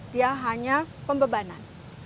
dia hanya pembebanan